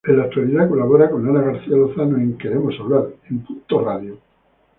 En la actualidad colabora con Ana García Lozano en "Queremos hablar" en Punto Radio.